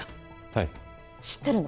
はい知ってるの？